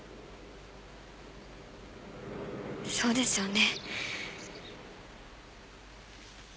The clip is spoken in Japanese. そうですよね